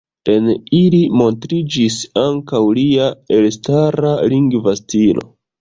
En ili montriĝis ankaŭ lia elstara lingva stilo.